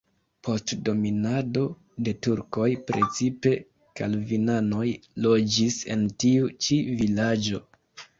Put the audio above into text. Post dominado de turkoj precipe kalvinanoj loĝis en tiu ĉi vilaĝo.